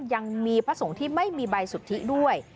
ยังมีพระสงฆ์ที่ไม่มีใบสุทธิด้วย